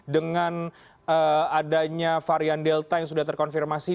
dengan adanya varian delta yang sudah terkonfirmasi